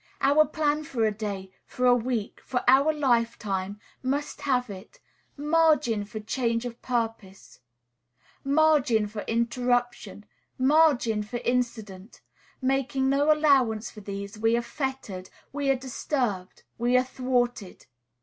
Our plan for a day, for a week, for our lifetime, must have it, margin for change of purpose, margin for interruption, margin for accident. Making no allowance for these, we are fettered, we are disturbed, we are thwarted.